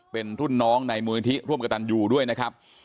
เป็นทุ่นน้องในเมืองที่ร่วมกับตันอยู่ด้วยนะครับ